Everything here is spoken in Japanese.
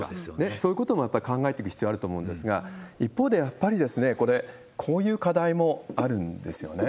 そういうこともやっぱり考えていく必要があると思うんですが、一方で、やっぱりこれ、こういう課題もあるんですよね。